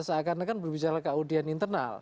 seakan akan berbicara ke audian internal